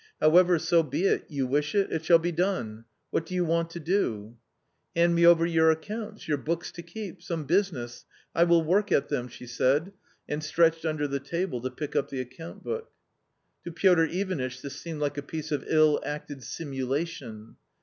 However, so be it ; you wish it .... it shall be done. What do you want to do ?"" Hand me over your accounts, your books to keep, some business .... I will work at them ...." she said, and stretched under the table to pick up the account book. To Piotr Ivanitch this seemed like a piece of ill acted simulation.